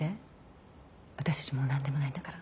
私たちもうなんでもないんだから。